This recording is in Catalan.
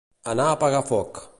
Anar a apagar foc.